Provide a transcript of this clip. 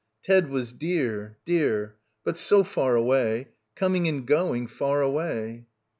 Ted was dear, dear. But so far away. Coming and going, far away.